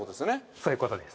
そういうことです。